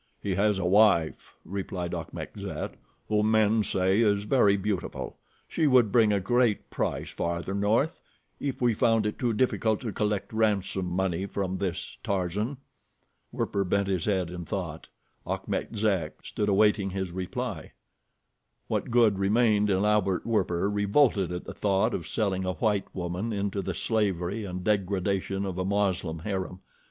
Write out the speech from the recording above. "He has a wife," replied Achmet Zek, "whom men say is very beautiful. She would bring a great price farther north, if we found it too difficult to collect ransom money from this Tarzan." Werper bent his head in thought. Achmet Zek stood awaiting his reply. What good remained in Albert Werper revolted at the thought of selling a white woman into the slavery and degradation of a Moslem harem.